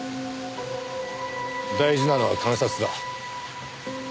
大事なのは観察だ。